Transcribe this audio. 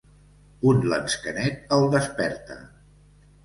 Un lansquenet el desperta.